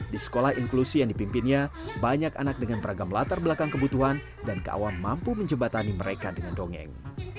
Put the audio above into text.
di sekolah inklusi yang dipimpinnya banyak anak dengan beragam latar belakang kebutuhan dan keawam mampu menjebatani mereka dengan dongeng